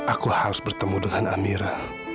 aku harus bertemu dengan amira